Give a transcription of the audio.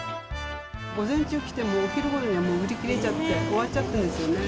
午前中に来ても、お昼ごろにはもう売り切れちゃって、終わっちゃってるんですよね。